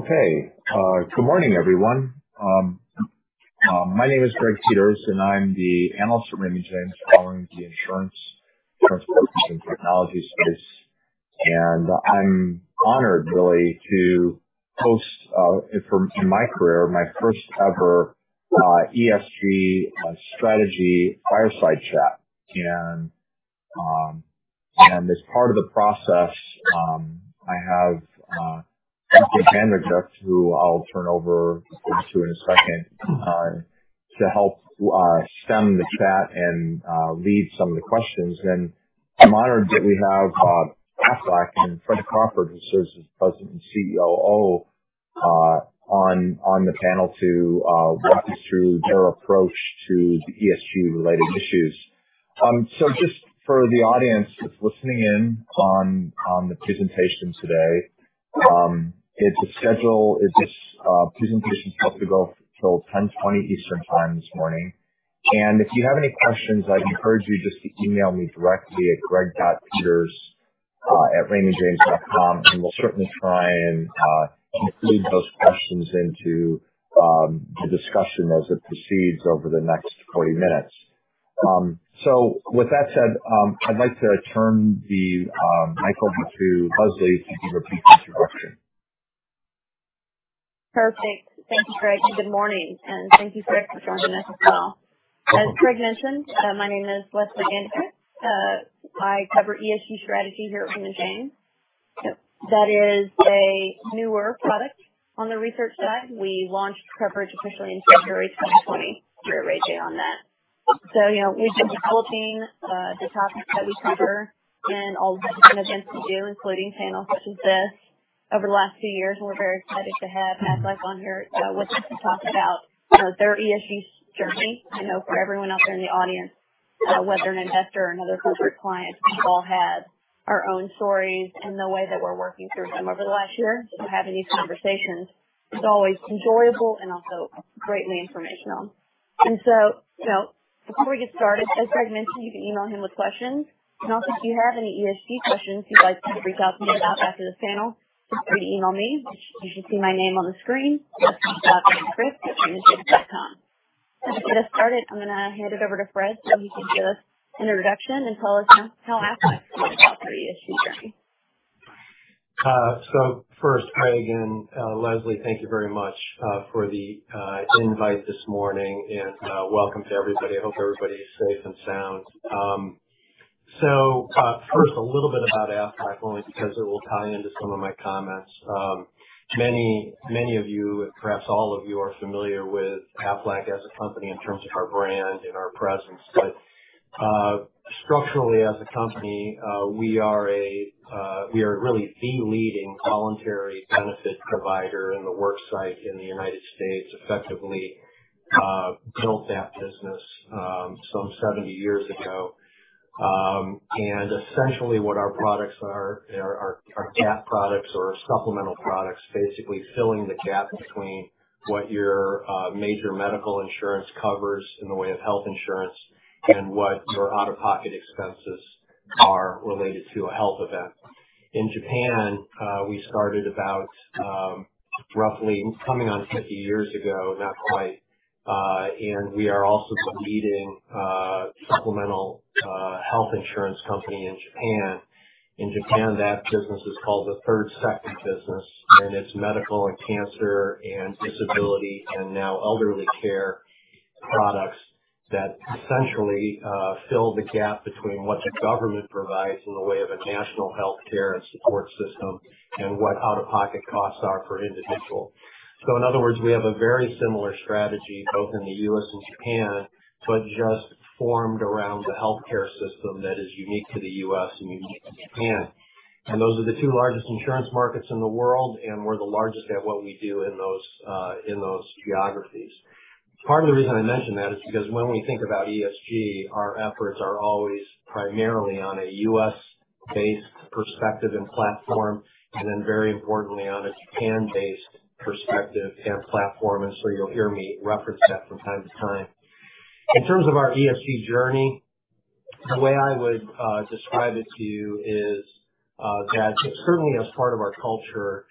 Okay. Good morning, everyone. My name is Greg Peters, and I'm the analyst for Raymond James covering the insurance, transportation, and technology space. I'm honored, really, to host, in my career, my first ever ESG strategy fireside chat. As part of the process, I have Leslie Anderka, who I'll turn over to in a second, to help stem the chat and lead some of the questions. I'm honored that we have Aflac and Fred Crawford, who serves as President and COO, on the panel to walk us through their approach to the ESG-related issues. Just for the audience that's listening in on the presentation today, the schedule is this presentation's supposed to go till 10:20 A.M. Eastern Time this morning. If you have any questions, I'd encourage you just to email me directly at greg.peters@raymondjames.com, and we'll certainly try and include those questions into the discussion as it proceeds over the next 40 minutes. With that said, I'd like to turn the microphone to Leslie to give a brief introduction. Perfect. Thank you, Greg, and good morning. Thank you, Fred, for joining us as well. As Greg mentioned, my name is Leslie Anderka. I cover ESG strategy here at Raymond James. That is a newer product on the research side. We launched coverage officially in February 2020 here at Raymond James on that. We've been developing the topics that we cover in all the different events we do, including panels such as this over the last few years, and we're very excited to have Aflac on here with us to talk about their ESG journey. I know for everyone out there in the audience, whether an investor or another corporate client, we've all had our own stories and the way that we're working through them over the last year. Having these conversations is always enjoyable and also greatly informational. Before we get started, as Greg mentioned, you can email him with questions. If you have any ESG questions you'd like to reach out to me about after this panel, feel free to email me, which you should see my name on the screen, leslie.anderka@raymondjames.com. To get us started, I'm going to hand it over to Fred so he can give us an introduction and tell us how Aflac is approaching the ESG journey. First, Greg and Leslie, thank you very much for the invite this morning, and welcome to everybody. I hope everybody is safe and sound. First, a little bit about Aflac, only because it will tie into some of my comments. Many of you, perhaps all of you, are familiar with Aflac as a company in terms of our brand and our presence. Structurally, as a company, we are really the leading voluntary benefit provider in the work site in the U.S., effectively built that business some 70 years ago. Essentially what our products are, they are our gap products or supplemental products, basically filling the gap between what your major medical insurance covers in the way of health insurance and what your out-of-pocket expenses are related to a health event. In Japan, we started about roughly coming on 50 years ago, not quite, and we are also the leading supplemental health insurance company in Japan. In Japan, that business is called the third sector business, and it's medical and cancer and disability and now elderly care products that essentially fill the gap between what the government provides in the way of a national healthcare and support system and what out-of-pocket costs are for an individual. In other words, we have a very similar strategy both in the U.S. and Japan, but just formed around the healthcare system that is unique to the U.S. and unique to Japan. Those are the two largest insurance markets in the world, and we're the largest at what we do in those geographies. Part of the reason I mention that is because when we think about ESG, our efforts are always primarily on a U.S.-based perspective and platform, and then very importantly, on a Japan-based perspective and platform. You'll hear me reference that from time to time. In terms of our ESG journey, the way I would describe it to you is that certainly as part of our culture,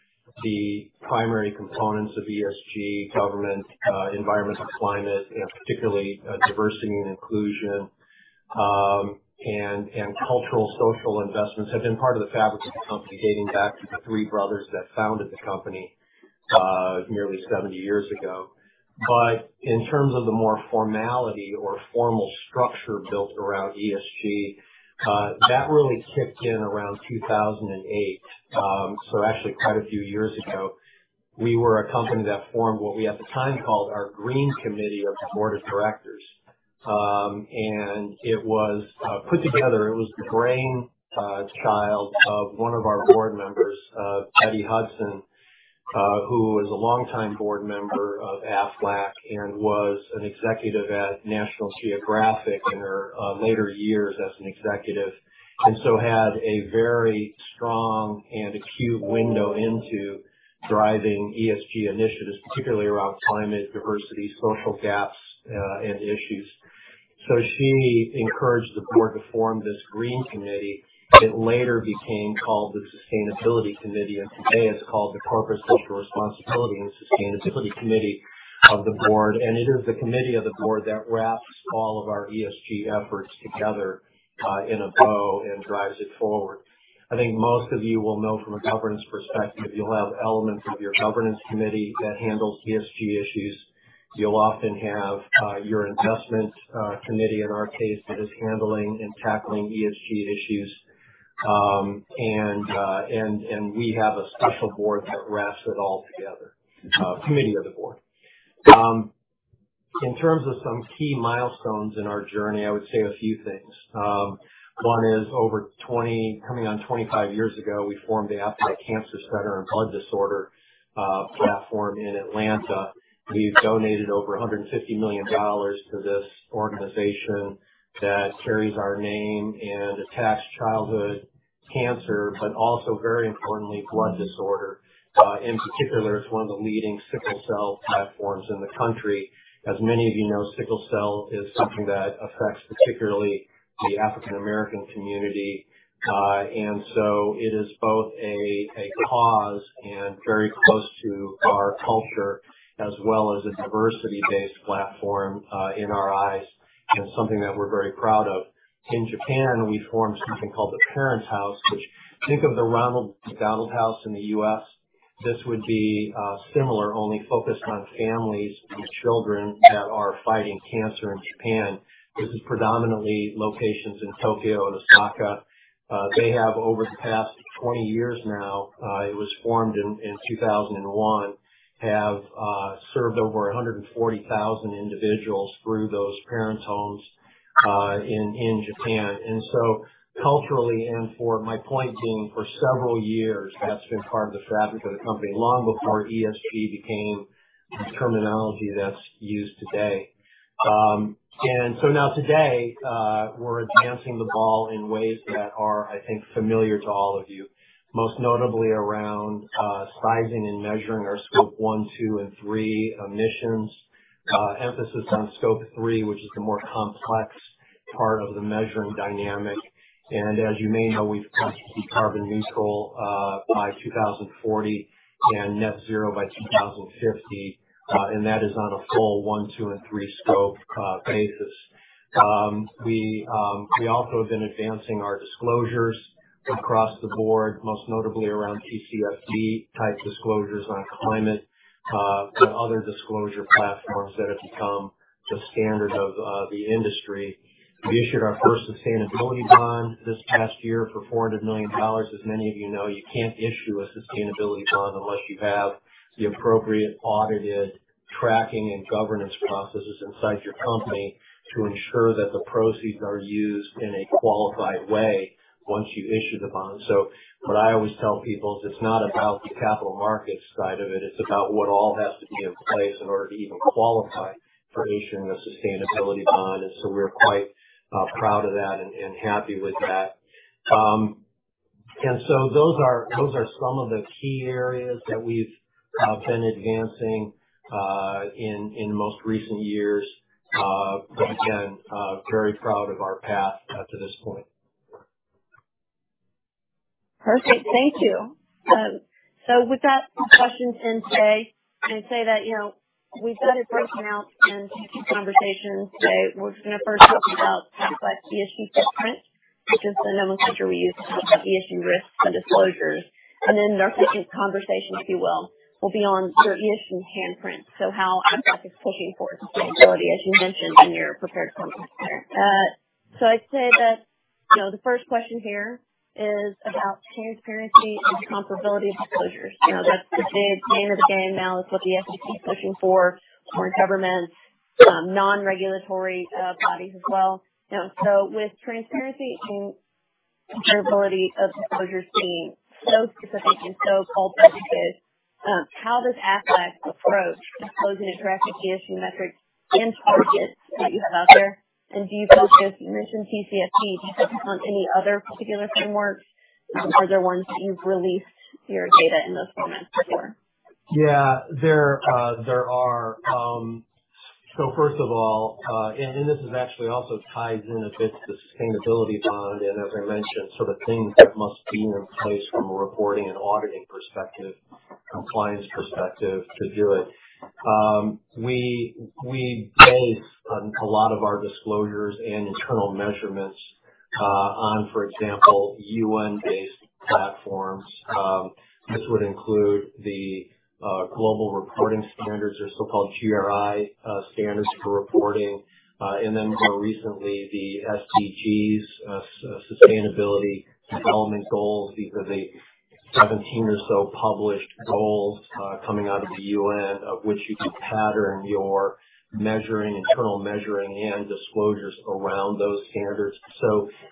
the primary components of ESG, government, environmental climate, particularly diversity and inclusion, and cultural social investments have been part of the fabric of the company dating back to the three brothers that founded the company nearly 70 years ago. In terms of the more formality or formal structure built around ESG, that really kicked in around 2008. Actually quite a few years ago, we were a company that formed what we at the time called our Green Committee of the Board of Directors. It was the brainchild of one of our Board members, Betty Hudson, who was a longtime Board member of Aflac and was an executive at National Geographic in her later years as an executive, had a very strong and acute window into driving ESG initiatives, particularly around climate diversity, social gaps, and issues. She encouraged the Board to form this Green Committee. It later became called the Sustainability Committee, and today it's called the Corporate Social Responsibility and Sustainability Committee of the Board. It is the committee of the Board that wraps all of our ESG efforts together in a bow and drives it forward. I think most of you will know from a governance perspective, you'll have elements of your governance committee that handles ESG issues. You'll often have your investment committee, in our case, that is handling and tackling ESG issues. We have a special board that wraps it all together, a committee of the board. In terms of some key milestones in our journey, I would say a few things. One is over 20, coming on 25 years ago, we formed the Aflac Cancer and Blood Disorders Center in Atlanta. We've donated over $150 million to this organization that carries our name and attacks childhood cancer, but also very importantly, blood disorder. In particular, it's one of the leading sickle cell platforms in the country. As many of you know, sickle cell is something that affects particularly the African American community. It is both a cause and very close to our culture as well as a diversity-based platform in our eyes and something that we're very proud of. In Japan, we formed something called the Parents House. Think of the Ronald McDonald House in the U.S., this would be similar, only focused on families with children that are fighting cancer in Japan. This is predominantly locations in Tokyo and Osaka. They have over the past 20 years now, it was formed in 2001, have served over 140,000 individuals through those Parents Houses in Japan. Culturally and for my point being for several years, that's been part of the fabric of the company, long before ESG became the terminology that's used today. Now today, we're advancing the ball in ways that are, I think, familiar to all of you, most notably around sizing and measuring our Scope 1, 2, and 3 emissions. Emphasis on Scope 3, which is the more complex part of the measuring dynamic. As you may know, we've pledged to be carbon neutral by 2040 and net zero by 2050. That is on a full 1, 2, and 3 Scope basis. We also have been advancing our disclosures across the board, most notably around TCFD-type disclosures on climate, and other disclosure platforms that have become the standard of the industry. We issued our first sustainability bond this past year for $400 million. As many of you know, you can't issue a sustainability bond unless you have the appropriate audited tracking and governance processes inside your company to ensure that the proceeds are used in a qualified way once you issue the bond. What I always tell people is it's not about the capital markets side of it's about what all has to be in place in order to even qualify for issuing a sustainability bond. We're quite proud of that and happy with that. Those are some of the key areas that we've been advancing in most recent years. Again, very proud of our path up to this point. Perfect. Thank you. With that, some questions in today. I'd say that we've got it breaking out into two conversations today. We're just going to first talk about Aflac ESG footprint, which is the nomenclature we use to talk about ESG risks and disclosures. Then our second conversation, if you will be on your ESG handprint. How Aflac is pushing for sustainability, as you mentioned in your prepared comments there. I'd say that the first question here is about transparency and comparability of disclosures. That's the name of the game now. It's what the SEC is pushing for, foreign governments, non-regulatory bodies as well. With transparency and comparability of disclosures being so specific and so culture-driven, how does Aflac approach disclosing and tracking ESG metrics and targets that you have out there? Do you focus, you mentioned TCFD, do you focus on any other particular frameworks? Are there ones that you've released your data in those formats before? Yeah, there are. First of all, this is actually also ties in a bit to the sustainability bond and as I mentioned, the things that must be in place from a reporting and auditing perspective, compliance perspective to do it. We base a lot of our disclosures and internal measurements on, for example, UN-based platforms. This would include the global reporting standards or so-called GRI standards for reporting. Then more recently, the SDGs, Sustainable Development Goals. These are the 17 or so published goals coming out of the UN of which you can pattern your measuring, internal measuring, and disclosures around those standards.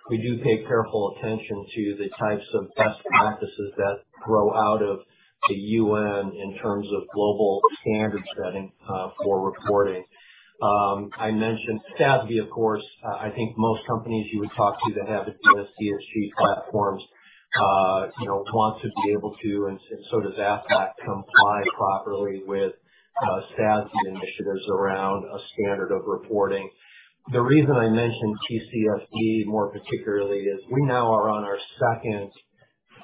We do pay careful attention to the types of best practices that grow out of the UN in terms of global standard setting for reporting. I mentioned SASB, of course, I think most companies you would talk to that have a ESG platforms want to be able to, so does Aflac comply properly with SASB initiatives around a standard of reporting. The reason I mentioned TCFD more particularly is we now are on our second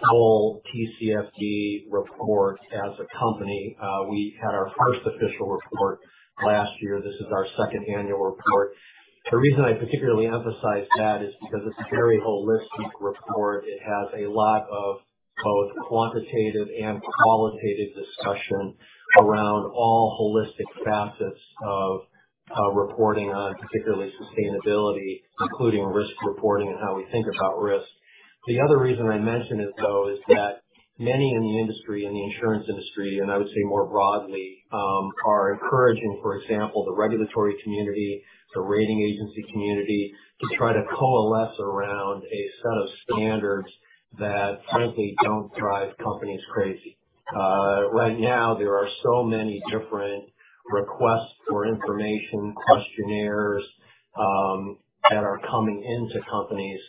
full TCFD report as a company. We had our first official report last year. This is our second annual report. The reason I particularly emphasize that is because it's a very holistic report. It has a lot of both quantitative and qualitative discussion around all holistic facets of reporting on particularly sustainability, including risk reporting and how we think about risk. The other reason I mention it, though, is that many in the industry, in the insurance industry, and I would say more broadly, are encouraging, for example, the regulatory community, the rating agency community, to try to coalesce around a set of standards that frankly don't drive companies crazy. Right now, there are so many different requests for information, questionnaires, that are coming into companies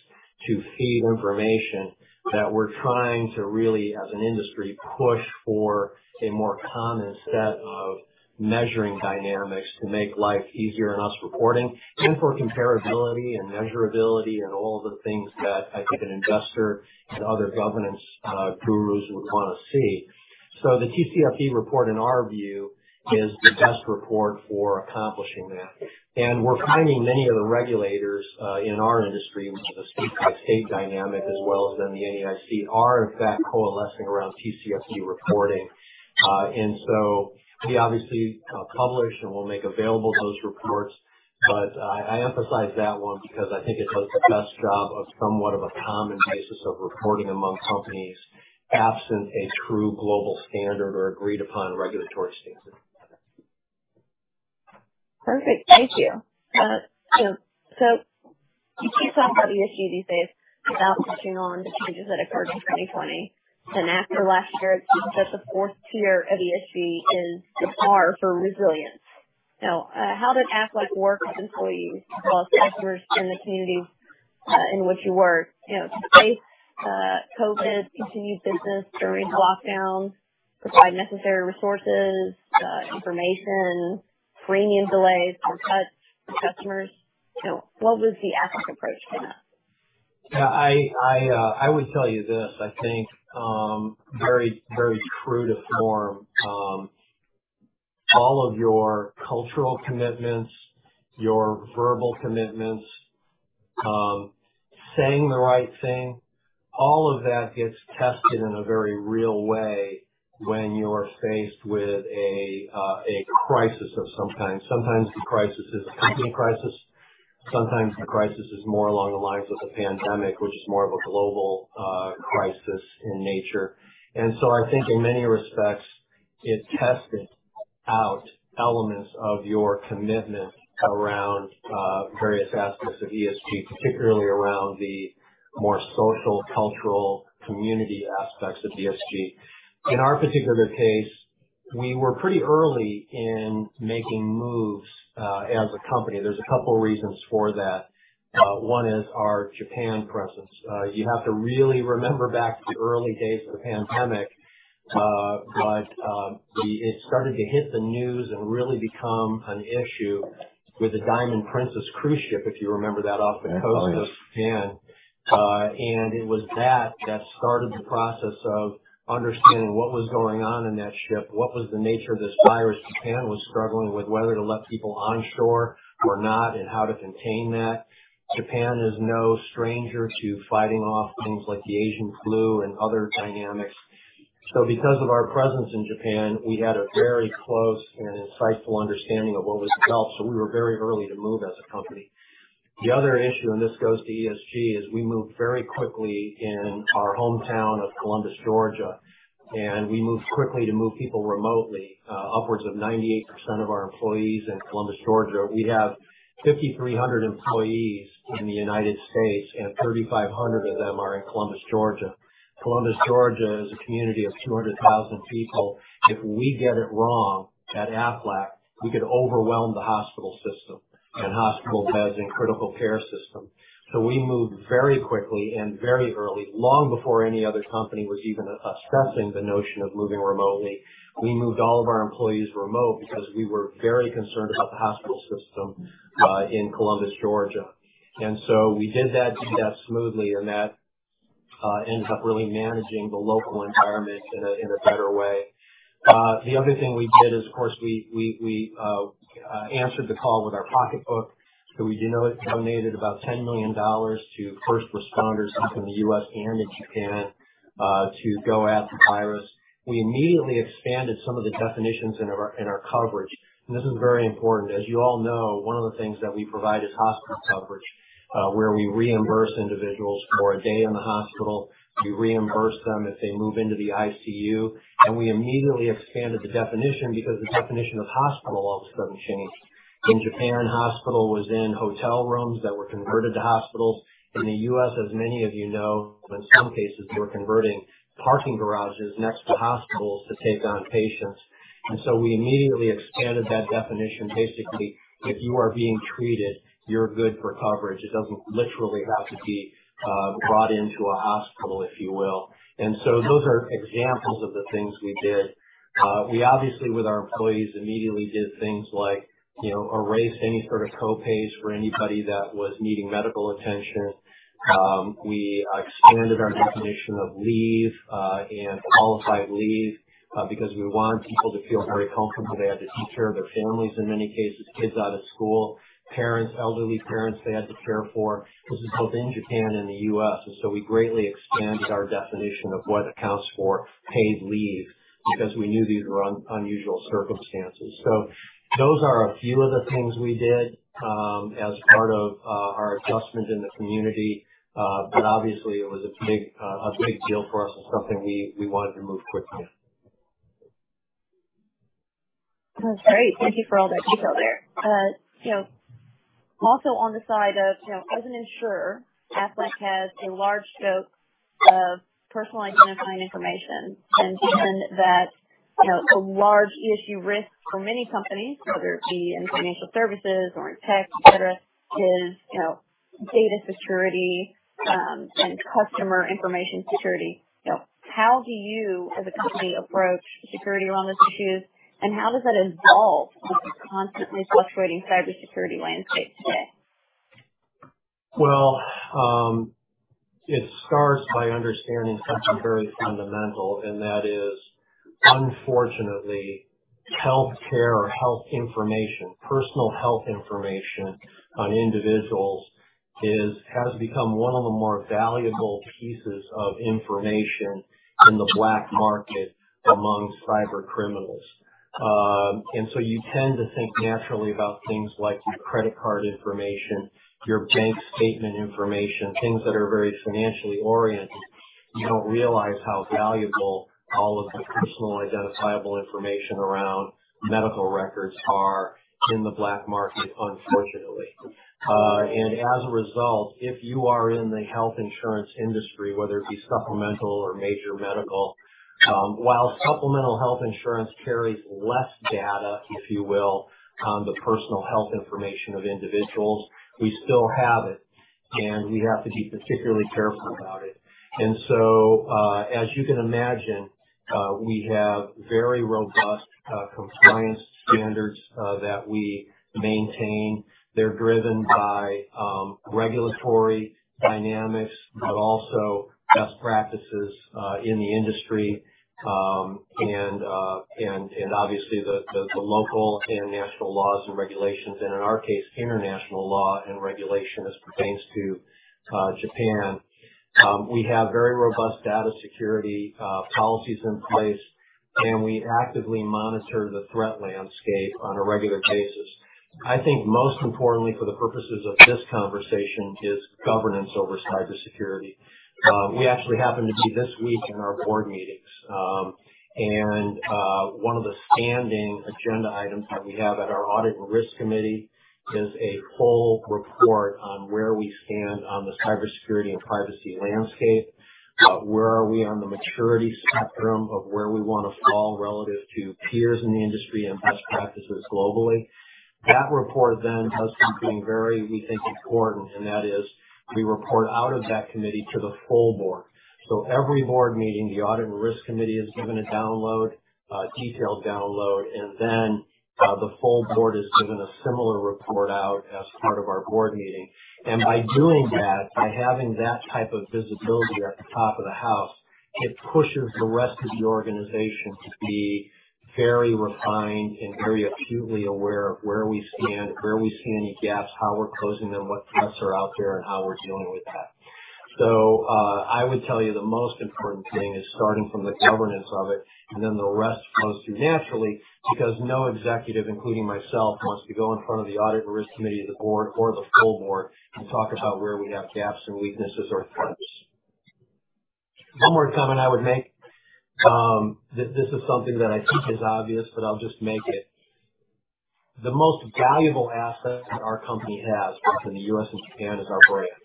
to feed information that we're trying to really, as an industry, push for a more common set of measuring dynamics to make life easier on us reporting, and for comparability and measurability and all the things that I think an investor and other governance gurus would want to see. The TCFD report, in our view, is the best report for accomplishing that. We're finding many of the regulators in our industry, the state-by-state dynamic as well as the NAIC, are in fact coalescing around TCFD reporting. We obviously publish and will make available those reports. I emphasize that one because I think it does the best job of somewhat of a common basis of reporting among companies, absent a true global standard or agreed-upon regulatory standard. Perfect. Thank you. You can't talk about ESG these days without touching on the changes that occurred in 2020. After last year, it seems that the tier 4 of ESG is the R for resilience. Now, how did Aflac work with employees as well as customers in the communities in which you work to face COVID, continue business during lockdowns, provide necessary resources, information, premium delays or cuts for customers? What was the Aflac approach to that? I would tell you this, I think very true to form all of your cultural commitments, your verbal commitments, saying the right thing, all of that gets tested in a very real way when you are faced with a crisis of some kind. Sometimes the crisis is a company crisis. Sometimes the crisis is more along the lines of a pandemic, which is more of a global crisis in nature. I think in many respects, it tested out elements of your commitment around various aspects of ESG, particularly around the more social, cultural, community aspects of ESG. In our particular case, we were pretty early in making moves as a company. There's a couple reasons for that. One is our Japan presence. You have to really remember back to the early days of the pandemic. It started to hit the news and really become an issue with the Diamond Princess cruise ship, if you remember that, off the coast of Japan. It was that that started the process of understanding what was going on in that ship, what was the nature of this virus Japan was struggling with, whether to let people onshore or not, and how to contain that. Japan is no stranger to fighting off things like the Asian flu and other dynamics. Because of our presence in Japan, we had a very close and insightful understanding of what was developed. We were very early to move as a company. The other issue, and this goes to ESG, is we moved very quickly in our hometown of Columbus, Georgia, and we moved quickly to move people remotely, upwards of 98% of our employees in Columbus, Georgia. We have 5,300 employees in the U.S., and 3,500 of them are in Columbus, Georgia. Columbus, Georgia, is a community of 200,000 people. If we get it wrong at Aflac, we could overwhelm the hospital system and hospital beds and critical care system. We moved very quickly and very early, long before any other company was even discussing the notion of moving remotely. We moved all of our employees remote because we were very concerned about the hospital system in Columbus, Georgia. We did that smoothly, and that ended up really managing the local environment in a better way. The other thing we did is, of course, we answered the call with our pocketbook. We donated about $10 million to first responders both in the U.S. and in Japan to go at the virus. We immediately expanded some of the definitions in our coverage, this is very important. As you all know, one of the things that we provide is hospital coverage, where we reimburse individuals for a day in the hospital. We reimburse them if they move into the ICU. We immediately expanded the definition because the definition of hospital all of a sudden changed. In Japan, hospital was in hotel rooms that were converted to hospitals. In the U.S., as many of you know, in some cases, we were converting parking garages next to hospitals to take on patients. We immediately expanded that definition. Basically, if you are being treated, you're good for coverage. It doesn't literally have to be brought into a hospital, if you will. Those are examples of the things we did. We obviously, with our employees, immediately did things like erase any sort of co-pays for anybody that was needing medical attention. We expanded our definition of leave and qualified leave because we wanted people to feel very comfortable. They had to take care of their families, in many cases, kids out of school, elderly parents they had to care for. This is both in Japan and the U.S., we greatly expanded our definition of what accounts for paid leave because we knew these were unusual circumstances. Those are a few of the things we did as part of our adjustment in the community. Obviously, it was a big deal for us and something we wanted to move quickly on. That's great. Thank you for all the detail there. Also on the side of, as an insurer, Aflac has a large scope of personal identifying information. Given that a large issue risk for many companies, whether it be in financial services or in tech, et cetera, is data security and customer information security. How do you, as a company, approach security around those issues, and how does that evolve with the constantly fluctuating cybersecurity landscape today? Well, it starts by understanding something very fundamental, and that is, unfortunately, healthcare or health information, personal health information on individuals has become one of the more valuable pieces of information in the black market among cyber criminals. You tend to think naturally about things like your credit card information, your bank statement information, things that are very financially oriented. You don't realize how valuable all of the personal identifiable information around medical records are in the black market, unfortunately. As a result, if you are in the health insurance industry, whether it be supplemental or major medical, while supplemental health insurance carries less data, if you will, on the personal health information of individuals, we still have it, and we have to be particularly careful about it. As you can imagine, we have very robust compliance standards that we maintain. They're driven by regulatory dynamics, also best practices in the industry, and obviously the local and national laws and regulations, and in our case, international law and regulation as pertains to Japan. We have very robust data security policies in place, and we actively monitor the threat landscape on a regular basis. I think most importantly for the purposes of this conversation is governance over cybersecurity. We actually happen to be this week in our board meetings, one of the standing agenda items that we have at our audit and risk committee is a whole report on where we stand on the cybersecurity and privacy landscape. Where are we on the maturity spectrum of where we want to fall relative to peers in the industry and best practices globally? That report does something very, we think, important, and that is we report out of that committee to the full board. Every board meeting, the audit and risk committee is given a detailed download, the full board is given a similar report out as part of our board meeting. By doing that, by having that type of visibility at the top of the house, it pushes the rest of the organization to be very refined and very acutely aware of where we stand, where we see any gaps, how we're closing them, what threats are out there, and how we're dealing with that. I would tell you the most important thing is starting from the governance of it, and then the rest flows through naturally because no executive, including myself, wants to go in front of the audit and risk committee of the board or the full board and talk about where we have gaps and weaknesses or threats. One more comment I would make. This is something that I think is obvious, but I'll just make it. The most valuable asset that our company has both in the U.S. and Japan is our brand.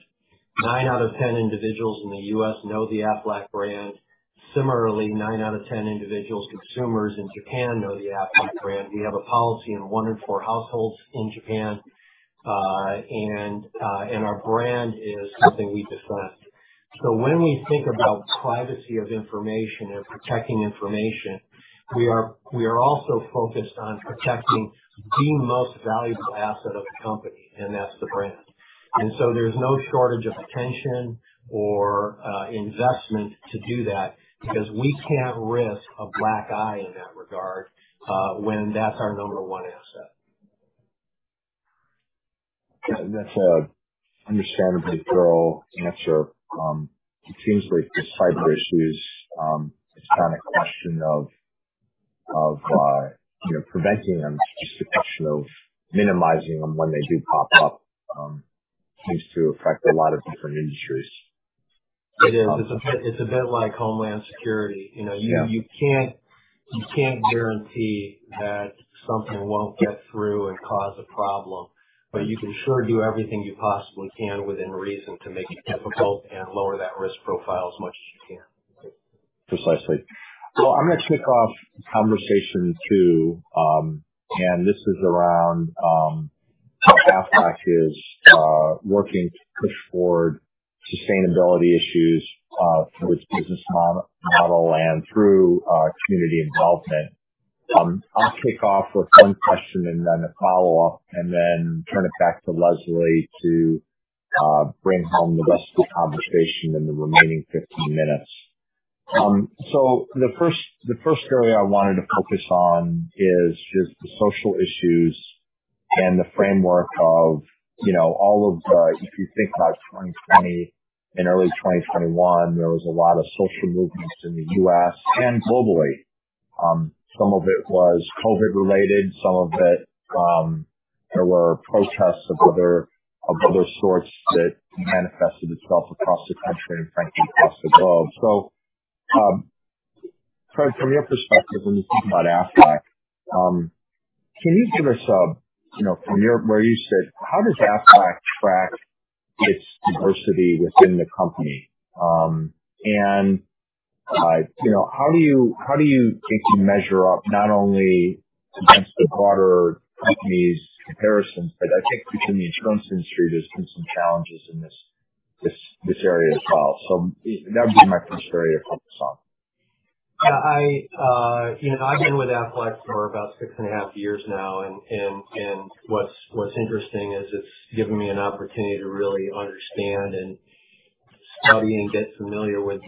9 out of 10 individuals in the U.S. know the Aflac brand. Similarly, 9 out of 10 individuals, consumers in Japan know the Aflac brand. We have a policy in 1 in 4 households in Japan, and our brand is something we possess. When we think about privacy of information and protecting information, we are also focused on protecting the most valuable asset of the company, and that's the brand. There's no shortage of attention or investment to do that because we can't risk a black eye in that regard when that's our number one asset. That's an understandably thorough answer. It seems like these cyber issues, it's not a question of preventing them, it's just a question of minimizing them when they do pop up. Seems to affect a lot of different industries. It is. It's a bit like homeland security. Yeah. You can't guarantee that something won't get through and cause a problem, but you can sure do everything you possibly can within reason to make it difficult and lower that risk profile as much as you can. Precisely. I'm going to kick off conversation two, and this is around how Aflac is working to push forward sustainability issues through its business model and through community involvement. I'll kick off with one question and then a follow-up, and then turn it back to Leslie to bring home the rest of the conversation in the remaining 15 minutes. The first area I wanted to focus on is just the social issues and the framework of all of the If you think about 2020 and early 2021, there was a lot of social movements in the U.S. and globally. Some of it was COVID related, some of it, there were protests of other sorts that manifested itself across the country and frankly, across the globe. Fred, from your perspective, when you think about Aflac, can you give us a, from where you sit, how does Aflac track its diversity within the company? How do you think you measure up not only against the broader companies comparisons, but I think within the insurance industry, there's been some challenges in this area as well. That would be my first area to focus on. I've been with Aflac for about six and a half years now, and what's interesting is it's given me an opportunity to really understand and study and get familiar with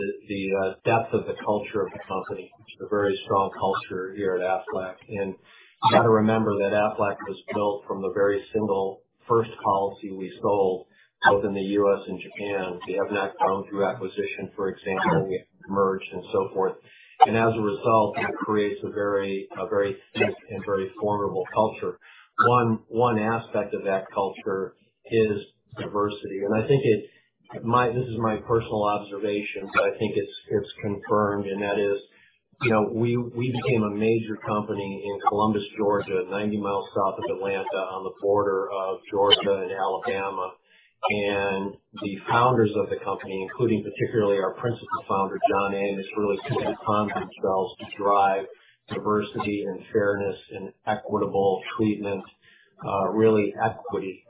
the depth of the culture of the company. It's a very strong culture here at Aflac, and you got to remember that Aflac was built from the very single first policy we sold both in the U.S. and Japan. We have not grown through acquisition, for example, we have merged and so forth. As a result, that creates a very thick and very formidable culture. One aspect of that culture is diversity, and this is my personal observation, but I think it's confirmed, and that is, we became a major company in Columbus, Georgia, 90 miles south of Atlanta, on the border of Georgia and Alabama. The founders of the company, including particularly our principal founder, John Amos, really set the tone for themselves to drive diversity and fairness and equitable treatment, really equity,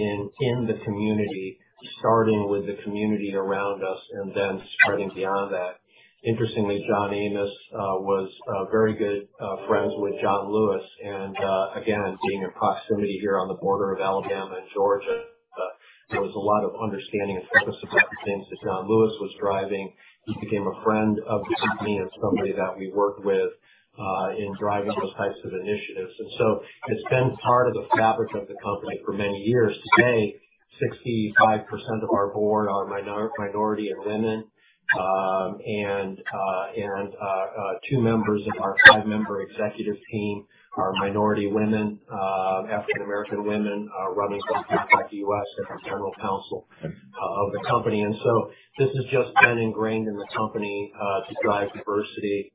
in the community, starting with the community around us and then starting beyond that. Interestingly, John Amos was very good friends with John Lewis, again, being in proximity here on the border of Alabama and Georgia, there was a lot of understanding and focus about the things that John Lewis was driving. He became a friend of the company and somebody that we worked with, in driving those types of initiatives. It's been part of the fabric of the company for many years. Today, 65% of our board are minority and women, and two members of our five-member executive team are minority women, African American women, running both Aflac U.S. as the general counsel of the company. This has just been ingrained in the company, to drive diversity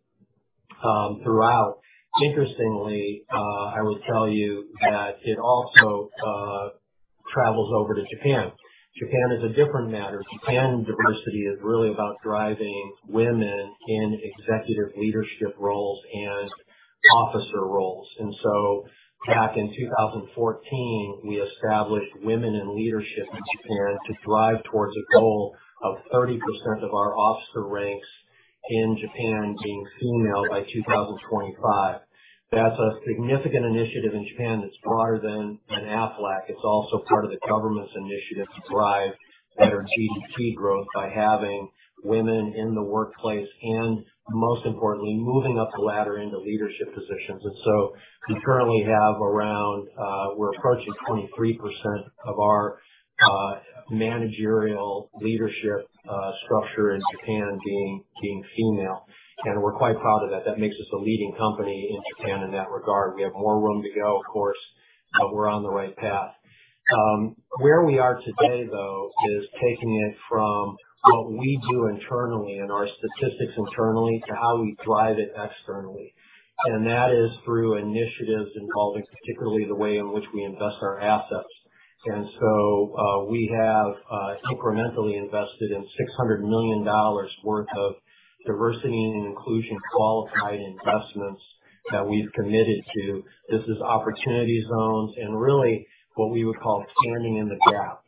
throughout. Interestingly, I will tell you that it also travels over to Japan. Japan is a different matter. Japan diversity is really about driving women in executive leadership roles and officer roles. Back in 2014, we established Women in Leadership in Japan to drive towards a goal of 30% of our officer ranks in Japan being female by 2025. That's a significant initiative in Japan that's broader than Aflac. It's also part of the government's initiative to drive better GDP growth by having women in the workplace and most importantly, moving up the ladder into leadership positions. We currently have around, we're approaching 23% of our managerial leadership structure in Japan being female, and we're quite proud of that. That makes us a leading company in Japan in that regard. We have more room to go, of course, but we're on the right path. Where we are today, though, is taking it from what we do internally and our statistics internally to how we drive it externally. That is through initiatives involving particularly the way in which we invest our assets. We have incrementally invested in $600 million worth of diversity and inclusion qualified investments that we've committed to. This is opportunity zones and really what we would call standing in the gap,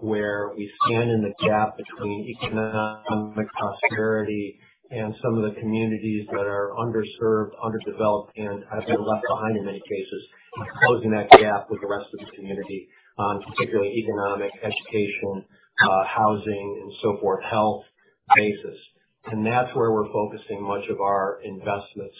where we stand in the gap between economic prosperity and some of the communities that are underserved, underdeveloped, and have been left behind in many cases, closing that gap with the rest of the community on particularly economic, educational, housing, and so forth, health basis. That's where we're focusing much of our investments.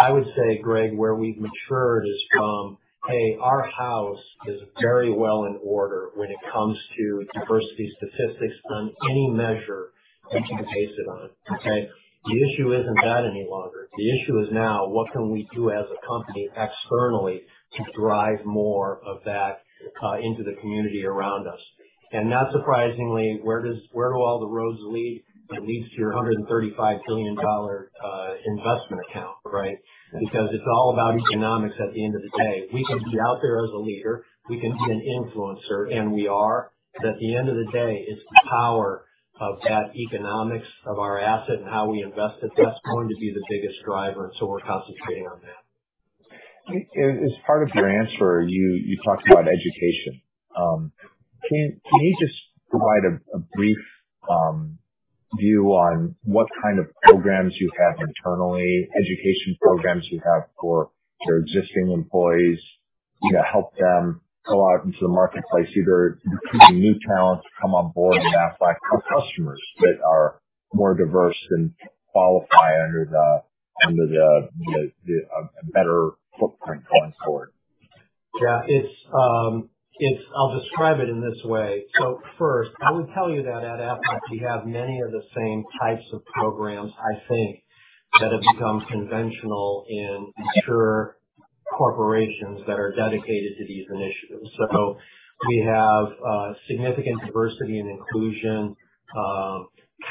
I would say, Greg, where we've matured is from, hey, our house is very well in order when it comes to diversity statistics on any measure that you can base it on. Okay? The issue isn't that any longer. The issue is now what can we do as a company externally to drive more of that into the community around us? Not surprisingly, where do all the roads lead? It leads to your $135 billion investment account, right? Because it's all about economics at the end of the day. We can be out there as a leader, we can be an influencer, and we are. At the end of the day, it's the power of that economics of our asset and how we invest it that's going to be the biggest driver, so we're concentrating on that. As part of your answer, you talked about education. Can you just provide a brief view on what kind of programs you have internally, education programs you have for your existing employees to help them go out into the marketplace, either recruiting new talent to come on board at Aflac or customers that are more diverse and qualify under the better footprint going forward? I'll describe it in this way. First, I would tell you that at Aflac, we have many of the same types of programs, I think, that have become conventional in mature corporations that are dedicated to these initiatives. We have significant diversity and inclusion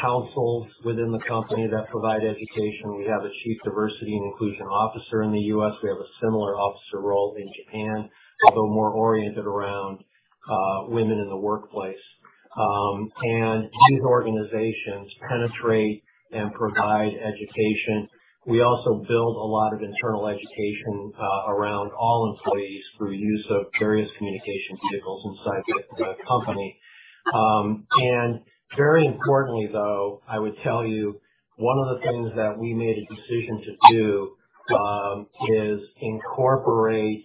councils within the company that provide education. We have a chief diversity and inclusion officer in the U.S. We have a similar officer role in Japan, although more oriented around women in the workplace. These organizations penetrate and provide education. We also build a lot of internal education around all employees through use of various communication vehicles inside the company. Very importantly, though, I would tell you one of the things that we made a decision to do, is incorporate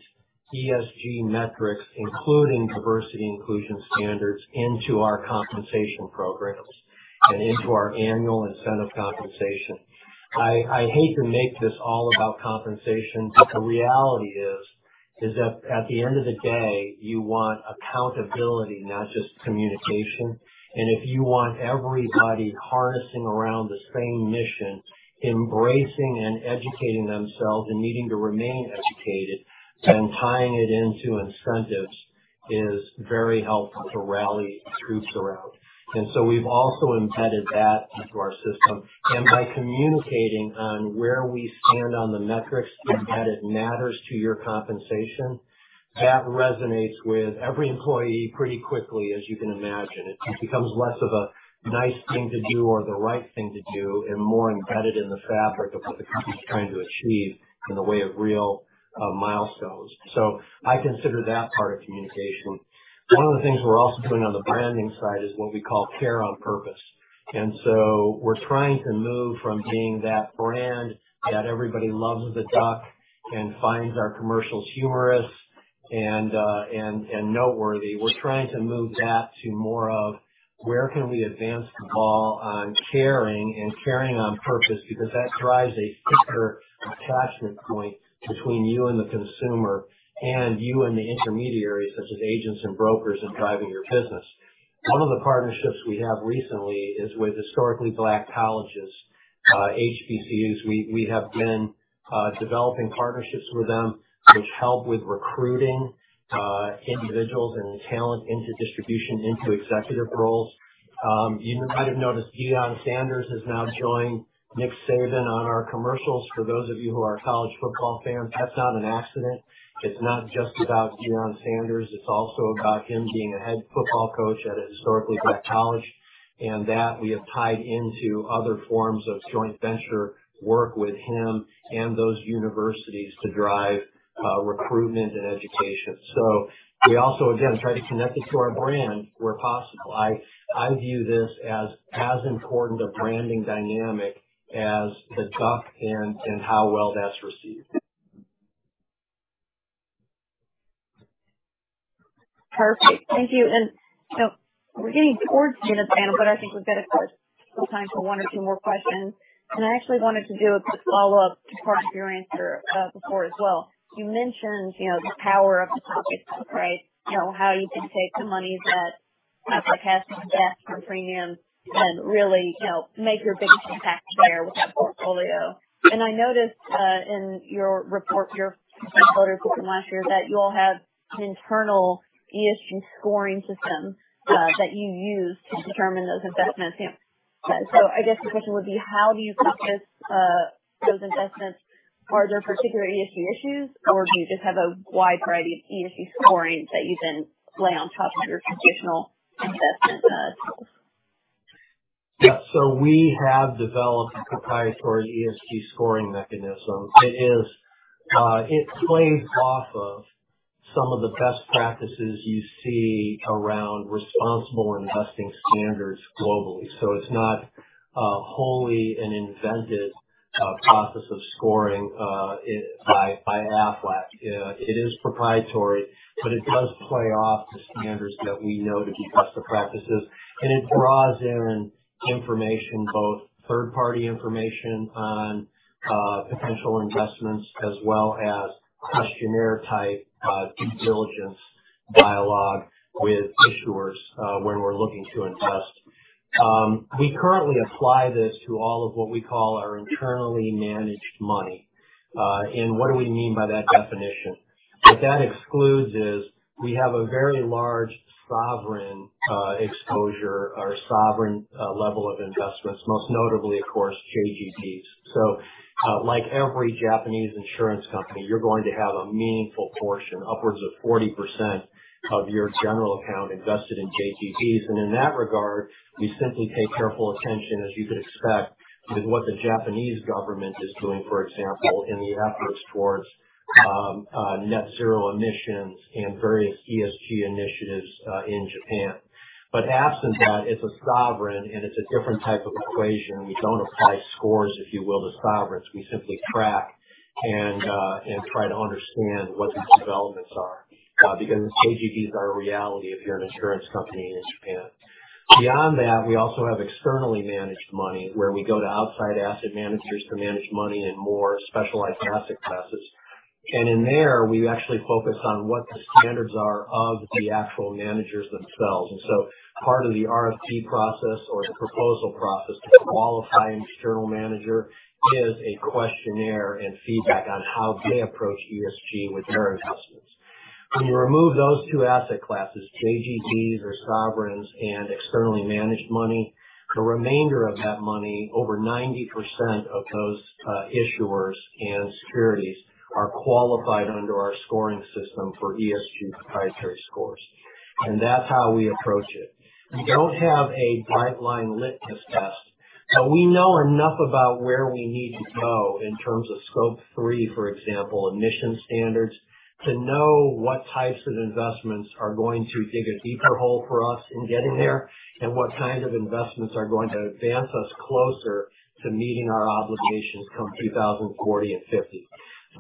ESG metrics, including diversity inclusion standards, into our compensation programs and into our annual incentive compensation. I hate to make this all about compensation, the reality is that at the end of the day, you want accountability, not just communication. If you want everybody harnessing around the same mission, embracing and educating themselves and needing to remain educated, then tying it into incentives is very helpful to rally troops around. We've also embedded that into our system. By communicating on where we stand on the metrics and that it matters to your compensation, that resonates with every employee pretty quickly as you can imagine. It becomes less of a nice thing to do or the right thing to do and more embedded in the fabric of what the company's trying to achieve in the way of real milestones. I consider that part of communication. One of the things we're also doing on the branding side is what we call Care on Purpose. We're trying to move from being that brand that everybody loves the duck and finds our commercials humorous and noteworthy. We're trying to move that to more of where can we advance the ball on caring and caring on purpose, because that drives a thicker attachment point between you and the consumer and you and the intermediaries, such as agents and brokers, in driving your business. One of the partnerships we have recently is with Historically Black Colleges, HBCUs. We have been developing partnerships with them, which help with recruiting individuals and talent into distribution into executive roles. You might have noticed Deion Sanders has now joined Nick Saban on our commercials. For those of you who are college football fans, that's not an accident. It's not just about Deion Sanders. It's also about him being a head football coach at a Historically Black College, and that we have tied into other forms of joint venture work with him and those universities to drive recruitment and education. We also, again, try to connect it to our brand where possible. I view this as as important a branding dynamic as the duck and how well that's received. Perfect. Thank you. We're getting towards the end of the panel, but I think we've got, of course, some time for one or two more questions. I actually wanted to do a quick follow-up to part of your answer before as well. You mentioned the power of the pocketbook, right? How you can take the monies that Aflac has to invest for premium and really make your biggest impact there with that portfolio. I noticed in your report, your report last year, that you all have an internal ESG scoring system that you use to determine those investments. I guess the question would be, how do you caucus those investments? Are there particular ESG issues, or do you just have a wide variety of ESG scorings that you then lay on top of your traditional investment goals? Yeah. We have developed a proprietary ESG scoring mechanism. It plays off of some of the best practices you see around responsible investing standards globally. It's not a wholly and invented process of scoring by Aflac. It is proprietary, but it does play off the standards that we know to be best practices, and it draws in information, both third-party information on potential investments as well as questionnaire type due diligence dialogue with issuers when we're looking to invest. We currently apply this to all of what we call our internally managed money. What do we mean by that definition? What that excludes is we have a very large sovereign exposure or sovereign level of investments, most notably, of course, JGBs. Like every Japanese insurance company, you're going to have a meaningful portion, upwards of 40% of your general account invested in JGBs. In that regard, we simply pay careful attention, as you could expect, to what the Japanese government is doing, for example, in the efforts towards net zero emissions and various ESG initiatives in Japan. Absent that, it's a sovereign and it's a different type of equation. We don't apply scores, if you will, to sovereigns. We simply track and try to understand what these developments are, because JGBs are a reality if you're an insurance company in Japan. Beyond that, we also have externally managed money where we go to outside asset managers to manage money in more specialized asset classes. In there we actually focus on what the standards are of the actual managers themselves. Part of the RFP process or the proposal process to qualify an external manager is a questionnaire and feedback on how they approach ESG with their investments. When you remove those two asset classes, JGBs or sovereigns and externally managed money, the remainder of that money, over 90% of those issuers and securities are qualified under our scoring system for ESG proprietary scores. That's how we approach it. We don't have a bright line litmus test, but we know enough about where we need to go in terms of Scope 3, for example, emission standards, to know what types of investments are going to dig a deeper hole for us in getting there, and what kinds of investments are going to advance us closer to meeting our obligations come 2040 and 2050.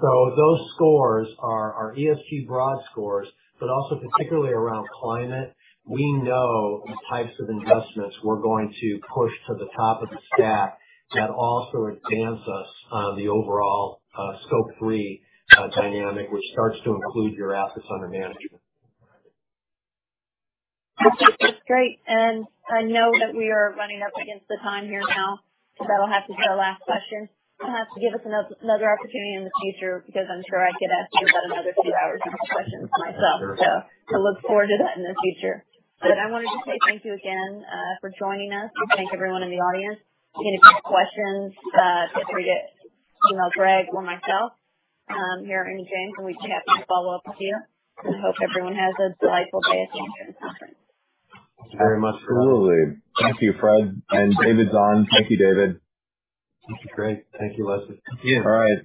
Those scores are our ESG broad scores, but also particularly around climate, we know the types of investments we're going to push to the top of the stack that also advance us on the overall Scope 3 dynamic, which starts to include your assets under management. That's great. I know that we are running up against the time here now, that'll have to be our last question. You'll have to give us another opportunity in the future because I'm sure I could ask you about another 2 hours worth of questions myself. I look forward to that in the future. I wanted to say thank you again for joining us and thank everyone in the audience. If you have any questions, feel free to email Greg or myself here at Raymond James, and we'd be happy to follow up with you. I hope everyone has a delightful day at the insurance conference. Thank you very much. Absolutely. Thank you, Fred and David Young. Thank you, David. Thank you, Greg. Thank you, Leslie. All right.